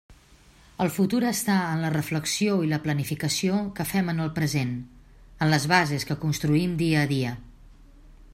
El futur està en la reflexió i la planificació que fem en el present, en les bases que construïm dia a dia.